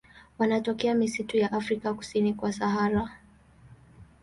Wanatokea misitu ya Afrika kusini kwa Sahara.